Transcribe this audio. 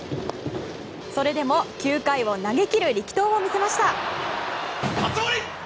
それでも９回を投げ切る力投を見せました。